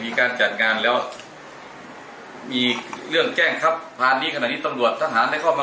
มีการจัดงานแล้วมีเรื่องแจ้งครับพานนี้ขนาดนี้ตำรวจทหารได้เข้ามา